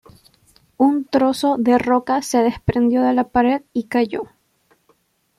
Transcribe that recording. Un trozo de roca se desprendió de la pared y cayó.